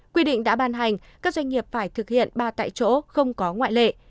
quy định đã ban hành các doanh nghiệp phải thực hiện ba tại chỗ không có ngoại lệ